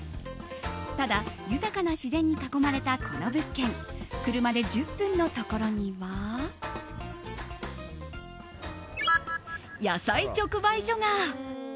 ただ、豊かな自然に囲まれたこの物件車で１０分のところには野菜直売所が。